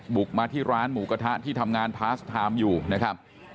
บุกมาที่ร้านหมูกระทะที่ทำงานพาสไทม์อยู่นะครับ